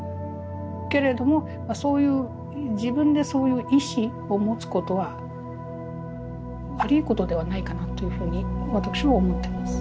けれどもそういう自分でそういう意思を持つことは悪いことではないかなというふうに私は思ってます。